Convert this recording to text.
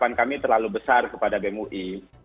harapan kami terlalu besar kepada beng ui